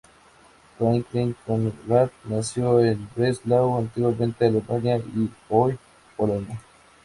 Fraenkel-Conrat nació en Breslau, antiguamente Alemania y hoy Polonia.